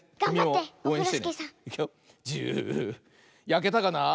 やけたかな。